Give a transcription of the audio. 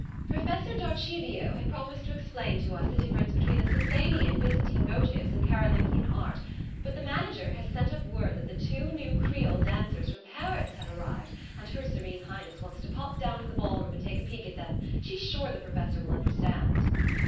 "Professor Darchivio had promised to explain to us the difference between the Sassanian and Byzantine motives in Carolingian art; but the Manager has sent up word that the two new Creole dancers from Paris have arrived, and her Serene Highness wants to pop down to the ball room and take a peep at them.... She's sure the Professor will understand...."